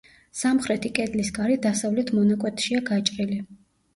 სამხრეთი კედლის კარი დასავლეთ მონაკვეთშია გაჭრილი.